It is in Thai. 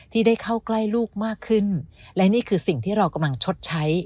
ที่ได้เข้าใกล้ลูกมากขึ้นและนี่คือสิ่งที่เรากำลังชดใช้